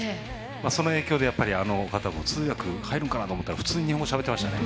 その影響であの方も通訳入るのかなと思ったら普通に日本語しゃべってましたね。